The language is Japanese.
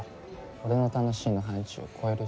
俺の「楽しい」の範疇超えるし。